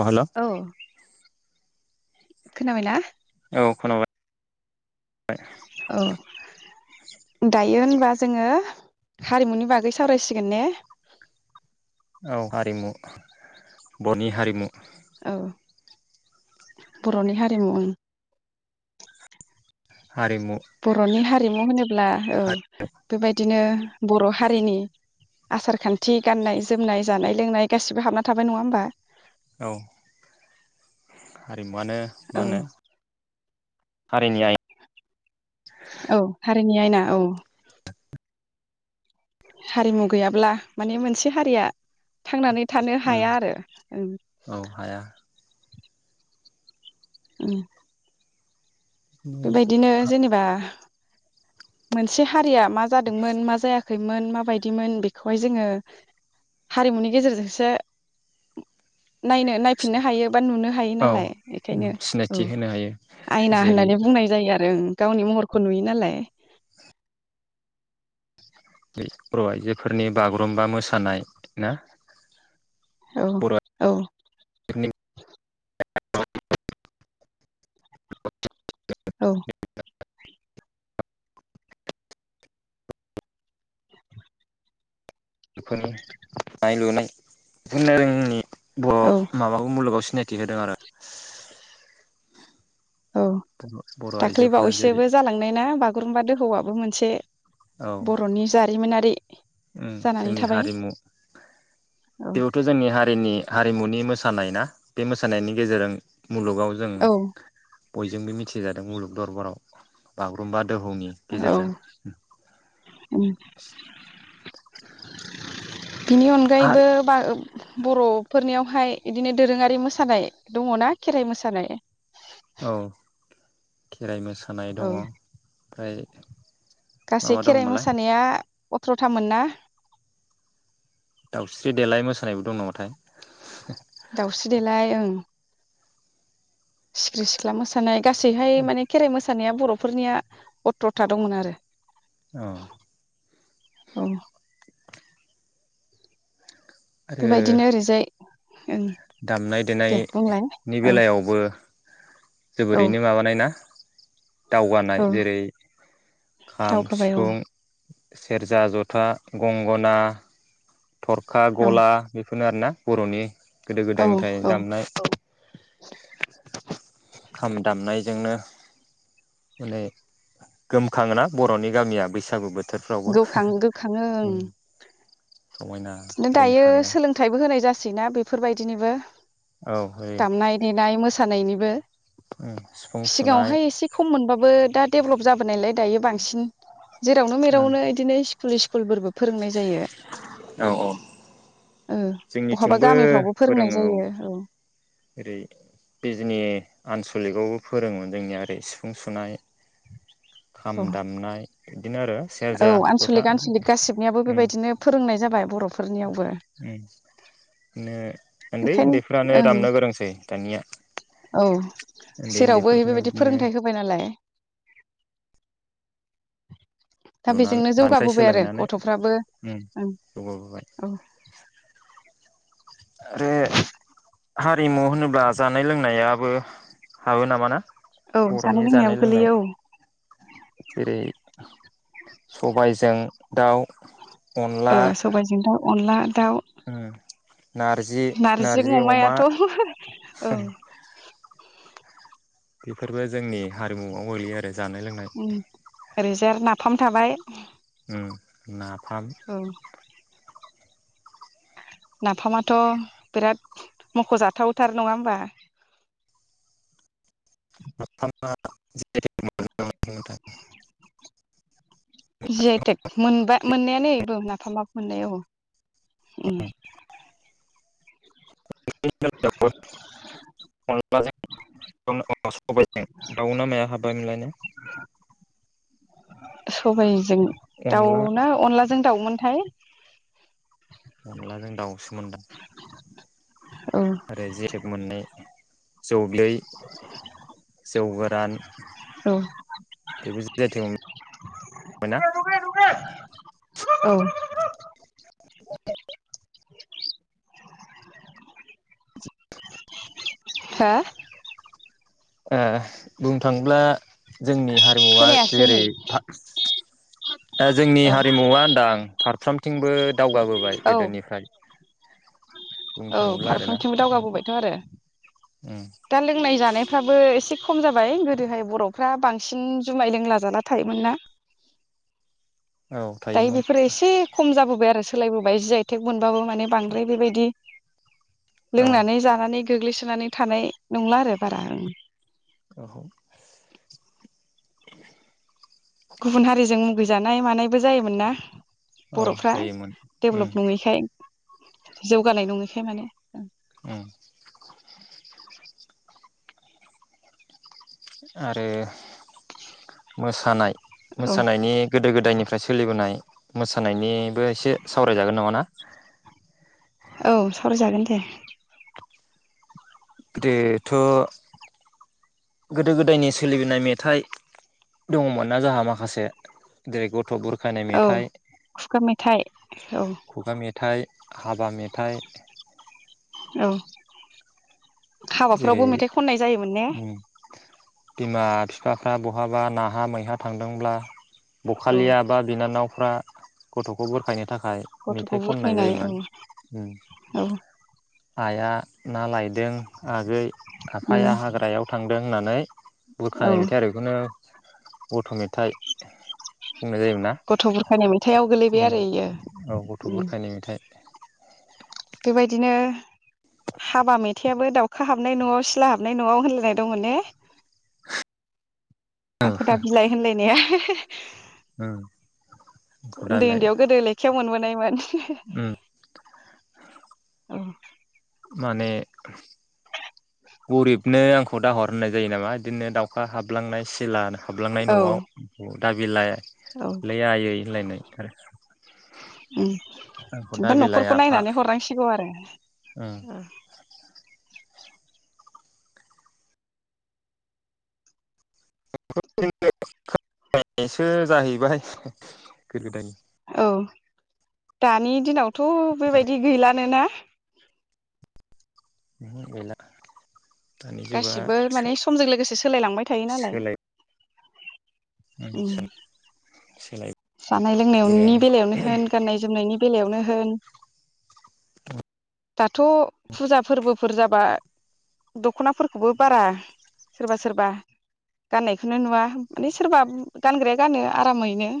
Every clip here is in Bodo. औ हेल' खोनाबाय ना? औ खोनाबाय औ दायो होनबा जोङो हारिमुनि बागै सावरायसिगोन ने? राव हारिमु बर'नि हारिमु औ बर'नि हारिमु ओं हारिमु रिमु होनो ब्ला औ बे बायदिनो बर हारिनि आसार खान्थि गाननाय जोमनाय जानाय लोंनाय गासिबो हाबना थाबाय नङा होमबा औ हारिमुआनो औ मा होनो? हारिनि आय औ हारिनि आयना औ। हारिमु गैयाब्ला माने मोनसे हारिया थांनानै थानो हाया आरो। औ हाया उम बे बायदिनो जेनेबा मोनसे हारिया मा जादोंमोन मा जाया खैमोन माबायदिमोन बेखौहाय जोङो हारिमुनि गेजेरजोंसो नायनो नायफिननो हायो बा नुनो हायो औ नालाय बेखायनो सिनायथि होनो हायो आयना जेरै होननानै बुंनाय जायो आरो ओं गावनि महरखौ नुयो नालाय। बे बर' आइजोफोरनि बागुरुम्बा मोसानाय ना? औ बर' औ आइजोफोरनि ब [inaudible] औ फोरनि दानाय लुनाय [unintelligible] औ बर' माबाखौ मुलुगाव सि सिनायथि होदों आरो औ बर' दाख्लै आइजोफोरा जेरै बावैसोबो जालांनाय ना बागुरुम्बा दोहौआबो मोन से बर'नि जारिमिनारि ओम जानानै जोंनि थाबाय हारिमु औ बेयावथ' जोंनि हारिनि हारिमुनि मोसा हानाय ना बे मोसानायनि गेजेरजों मुलुगाव जों औ बयजोंबो मिथिजादों मुलुग दरबाराव बागुरुम्बा दोहौनि औ गेजेरजों। बिनि अनगायैबो आरो बा ओ बर'फोरनियावहाय बिदिनो दोरोङारि मोसानाय दङना खेराइ मोसानाय औ खेराइ मोसा सानाय औ दङ ओमफ्राय मा गासै मा खेराइ दङमोनलाय मोसानाया अथ्र'थामोन ना? दाउस्रि देलाय मोसानायबो दं नामाथाय दाउस्रि देलाय ओं सिख्रि सिख्ला मोसानाय गासैहाय माने खेराइ मोसा सानाया बर'फोरनिया अथ्रथा दंमोन आरो औ अ। आरो बिबायदिनो ओरैजाय ओं दामनाय दे देनाय बुंलाय नि औ बेलायावबो औ जोबोरैनो माबानाय ना? दावगानाय औ जेरै खाम दावगाबाय औ सिफुं सेरजा जथा गंगना थरखा औ ग'ला बे फोरनो आरोना बर'नि गोदो औ गोदायनिफ्राय औ दामनाय खाम दामनाय जोंनो माने गोमखाङोना बर'नि गामिया बैसागु बो गखां गोखाङो ओं। समायना दिनो दायो रिंखाङो सोलोंथाइबो होनाय जासि सैना बेफोरबायदिनिबो औ ओरै दामनाय-देनाय, मोसानायनिबो सिफुं सुनाय सिगाङावहाय एसे खम मोनबाबो दा डेभलप जाबोनायलाय दायो बांसिन जेरावनो मेरावनो इदिनो सि [unintelligible] फोरबो फोरोंनाय औ औ औ बहाबा जोंनिथिंबो गामिफ्रावबो फोरोंनाय जायो औ ओरै बिजनि आनसलिकआवबो फोरोङोमोन जोंनिया ओरै सिफुं सुनाय खाम दामनाय बिदिनो आरो औ सेरजा जथा आनसलिक उम आनसलिक गासिबनियाबो उम बेबायदिनो फोरोंनाय जाबाय बर'फोरनियावबो। ओनदै बेखायनो ओनदैफ्रानो ओं दामनो गोरोंसै दानिया औ ओनदै जेरावबो ओनदैफोरखौनो बेबायदि बिदिनो फोरोंथाइ होबाय नालाय दा लुनानै बेजोंनो बांफ्राय जौगाबोबाय आरो सोलोंनानै गथ'फ्राबो उम जौगाबोबाय औ। आरे, हारिमु होनोब्ला जानाय लोंनायाबो हाबो नामा ना? औ बर'नि जानाय लोंनायाबो लोंनाय गोलैयो औ। जेरै सबायजों दाउ ओ अनला सबायजों दाउ अनला दाउ नारजि नारजिजों नारजि अमा अमायाथ' औ। बेफोरबो जोंनि हारिमुवाव गोलैयो आरो। जानाय लोंनाय ओरैजाय आरो नाफाम थाबाय। उम ना फाम औ नाफामाथ' बिराद मख' जाथावथार नङा होमबा? [unintelligible] [unintelligible] नोंथां। जि आइ टेक मोननायाव उम [unintelligible] [unintelligible] सबायजों दाउना माया हाबबायमोनलायनो। सबाय जों दाउ अनला ना अनला जों दाउमोनथाय। अनलाजों दाउसो मोनदां। औ आरो जेखेब मोननै जौ दै जौ गोरान औ बेबो जि आइ तेग बाय ना? औ [inaudible] [inaudible] हो ओ बुंनो थाङोला जोंनि हारिमुवा खोनायासै जेरै नै ए जोंनि औ हारिमुवा होनदां। फारफ्रोम औ बुंनो औ थाङोब्ला आरोना फारफ्रोमथिंबो दावगाबोबायथ' आरो उम दा लोंनाय जानायफ्राबो एसे खम जाबाय गोदोहाय बर'फ्रा बांसिन जुमाय लोंला जाला थायोमोन ना। औ दायो थायोमोन बेफोरो एसे खम जाबो [unintelligible] सोलायबोबाय जि आइटेक मोनबाबो माने बांद्राय बेबायदि औ लोंनानै जानानै गोग्लैसोनानै थानाय नंला आरो बारा ओं। औ। गुबुन हारिजों गोजानाय मानायबो जायोमोन ना औ बरफ्रा जायोमोन उम डेभलप नङैखाय जौगानाय नङैखाय माने उ आरो मोसानाय औ मोसानायनि गोदो गोदायनिफ्राय सोलिबोनाय मोसानायनिबो एसे सावरायजागोन नङा ना औ सावराय जागोन दे गोदोथ' गोदो गोदायनि सोलिबोनाय मेथाइ दङमोन ना जोंहा माखासे जेरै बुरखायनाय औ मेथाइ खुगा मेथाइ औ खुगा मेथाइ हाबा मेथाइ औ जेरै हाबाफोरावबो मेथाइ खननाय जायोमोन ने उम बिमा फिफाफ्रा बहाबा नाहा मैहा थांदोंब्ला औ बखालिया बा बिनानाव फ्रा गथ'खौ बोरखायनो नि थाखाय गथ'खौ मेथाइ खननाय बुरखायनाय औ जायोमोन । औ आइया ना लायदों दों आगै आफाया उम हाग्रायाव थांदों होननानै औ बुरखानाय मेथाइ आरो बेखौनो गथ' मेथाइ बुंनाय जायोमोन गथ' बुरखायनाय मेथाइआव गोलैबाय ना आरो इयो औ गथ' उम गुरखायनि मेथाइ । बेबायदिनो हाबा मेथाइाबो दाउखा हाबनाय नआव सिला हाबनाय नआव होनलायनाय दंमोन ने? आंख दा बिलाइ होनलायनाया [unintelligible] उम आंखौ उन्दै दालाय उन्दैयाव गोदो लेखायाव मोनबोनाय [unintelligible] उम ओ। माने गरिबनो आंखौ दाहर होननाय जायो नामा इदिनो दाउखा हाबलांनाय सिला हाबलांनाय न'आव दा बिलाइ औ आंखौ उम दा बा बिलाइ न'खरखौ आफा नायनानै हरनांसिगौ आरो उम ओ [unintelligible] सो जाहैबाय गो गोदाय औ दानि दिनाव थ बेबायदि गैलानोना? गैला दानि जुगा गासिबो माने समजों लोगोसे सोलायलांबाय थायो नालाय। उम [unintelligible] सोलाय जानाय लोंनायावननायनि सोलायबोबायानो बेलायावनो होन गाननाय जोमनायनि बेलायावनो होन दाथ' फुजा फोरबो। फोर जाबा दख'नाफोरखौबो बारा सोरबा सोरबा गाननायखौनो नुवा माने सोरबा गानग्राया गानो आरामैनो।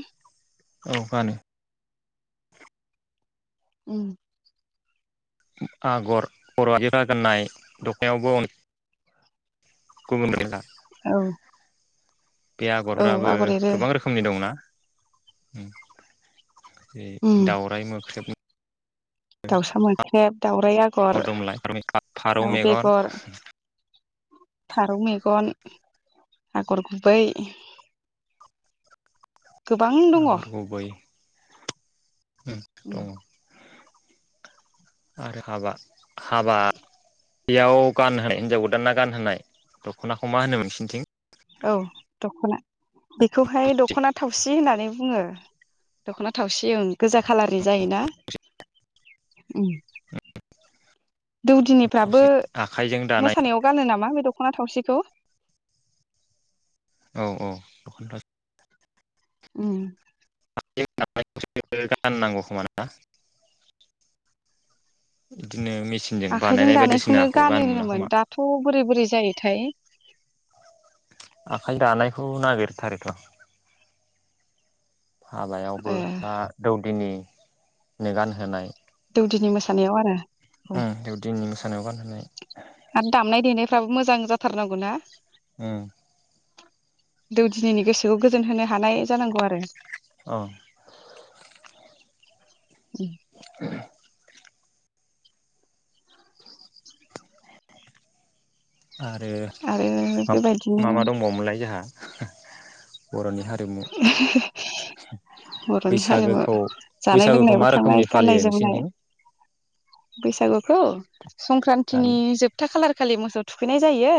औ गानो उम आगर बर' आ [unintelligible] गाननाय दखनायावबो अ [unintelligible] गुबुन [unintelligible] औ बे औ आगरफ्राबो आगर एरो गोबां रोखोमनि दंना? उम उम दाउसा मोाख्रेब दाउराइ आगर फारौ लाउ मेगन बेगर फारौ मेगन आगर गुबै गोबां दङ आग'र उम गुबै उम दङ' आरो हाबा हाबा। बेयाव गानहोनाय हिनजाव गोदाना गानहोनाय दख'नाखौ मा होनो नोंसिनिथिं? औ दखना बेखौहाय दख'ना थावसि होननानै बुङो दख'ना थावसि ओं। गोजा खालारनि जायोना? उम दौदिनिफ्राबो आखाइजों दानाय मोसानायाव गानो नामा बे दख दखना थावसिखौ औ औ दखाना थाव उम। [inaudible] राननांगौ खोमा ना बिदिनो मेचिनजों आखाइजों बानायनाय दानायखौनो बायदिसिनाखौ गानो गाननो मोना होनोमोन खोमा दाथ बोरै बोरै जायोथाय आखाइ दानायखौ नागिरथारोथ ओ हाबायावबो बा दौदिनि नो गान होनाय दौदिनि मोसानायाव आरो दौदिनि मोसानायाव उम आरो दामनाय देनायफ्राबो मोजां जाथारनांगौ ना। उम दौदिनैनि गोसोखौ गोजोन होनो हानाय जानांगौ आरो औ। उम [inaudible] आरो माबा दंबावोमोनलाय जोंहा? बरनि हारि बर'नि हारिमु बैसागोखौ जानाय बैसागोखौ लोंनायबो मा थांनाय रोखोमनि गाननाय फालियो जोमनाय नोंसिनिथिं बैसागुखौ संक्रान्तिनि दानि जोबथा खालार खालि मोसौ थुखैनाय जायो।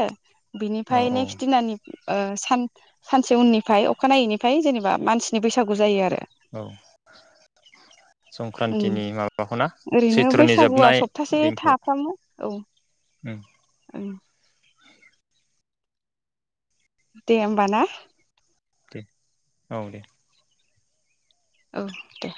औ बिनिफ्राय औ नेक्स्ट दिनानि। ओ सान सानसे उननिफ्राय अखानायैनिफ्राय जेनेबा मानसिनि बैसागु जायो आरो औ ओं संक्रान्तिनि माबाखौ ना ओरैनो सैत्रनि बैसागुआ जोबनाय सप्तासे दिनखौ थाफ्रामो उम औ। दे होमबा ना। दे औ दे। औ दे